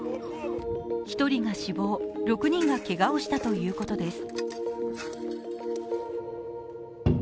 １人が死亡、６人がけがをしたということです。